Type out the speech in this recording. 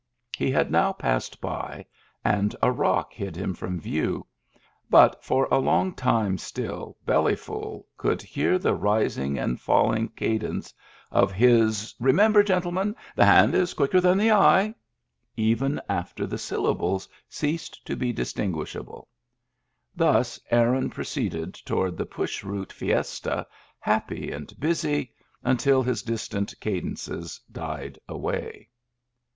He had now passed by, and a rock hid him from view; but for a long time still Bellyful could hear the rising and falling cadence of his " Re Digitized by Google 212 MEMBERS OF THE FAMILY member, gentlemen, the hand is quicker than the eye," even after the syllables ceased to be distin guishable. Thus Aaron proceeded toward the Push Root fiesta^ happy and busy, until his dis tant cadences died away.